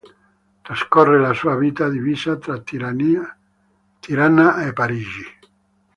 Trascorre la sua vita divisa tra Tirana e Parigi.